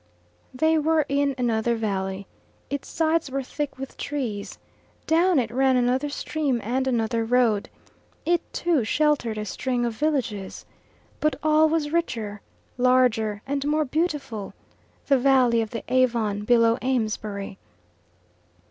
They were in another valley. Its sides were thick with trees. Down it ran another stream and another road: it, too, sheltered a string of villages. But all was richer, larger, and more beautiful the valley of the Avon below Amesbury.